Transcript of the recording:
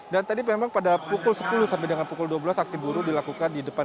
dan tadi memang pada pukul sepuluh sampai dengan pukul dua belas aksi buru dilakukan di depan